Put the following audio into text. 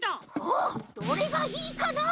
おっどれがいいかな？